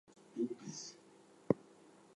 One aspect of the custom still remains to be noted.